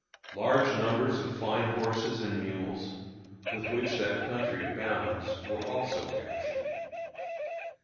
Large numbers of fine horses and mules, with which that country abounds, were also captured.